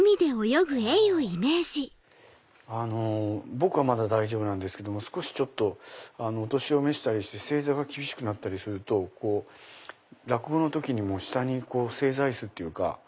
僕はまだ大丈夫なんですけど少しお年を召したりして正座が厳しくなったりすると落語の時にも下に正座椅子っていうか。